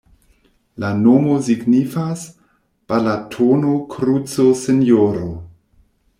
La nomo signifas: Balatono-kruco-Sinjoro.